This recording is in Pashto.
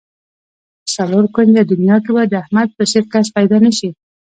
په څلور کونجه دنیا کې به د احمد په څېر کس پیدا نشي.